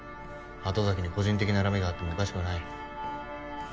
鳩崎に個人的な恨みがあってもおかしくはない。